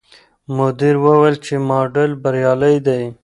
مدیر وویل چې ماډل بریالی دی.